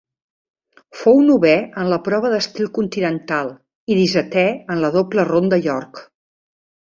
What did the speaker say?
Fou novè en la prova d'estil continental i dissetè en la doble ronda York.